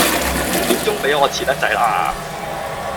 五點鐘畀我遲得滯喇